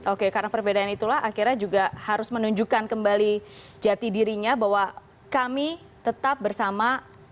oke karena perbedaan itulah akhirnya juga harus menunjukkan kembali jati dirinya bahwa kami tetap bersama